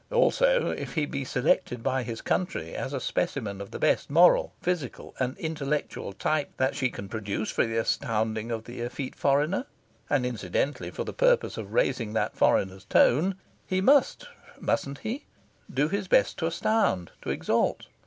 Also, if he be selected by his country as a specimen of the best moral, physical, and intellectual type that she can produce for the astounding of the effete foreigner, and incidentally for the purpose of raising that foreigner's tone, he must mustn't he? do his best to astound, to exalt.